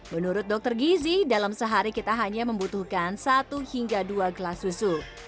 menurut dokter gizi dalam sehari kita hanya membutuhkan satu hingga dua gelas susu